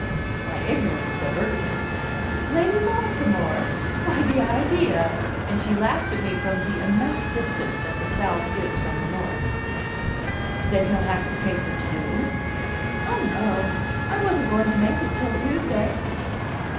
My ignorance diverted her. "Lady Baltimore? Why, the idea!" And she laughed at me from the immense distance that the South is from the North. "Then he'll have to pay for two?" "Oh, no! I wasn't going to make it till Tuesday.